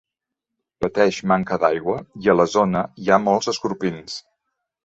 Pateix manca d'aigua i a la zona hi ha molts escorpins.